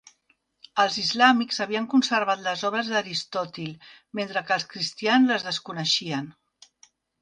Els islàmics havien conservat les obres d'Aristòtil, mentre que els cristians les desconeixien.